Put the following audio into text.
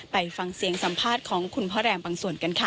ไปฟังเสียงสัมภาษณ์ของคุณพ่อแรมบางส่วนกันค่ะ